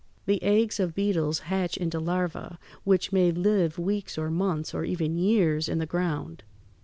The eggs of beetles hatch into larvæ (Fig. 162), which may live weeks or months or even years in the ground.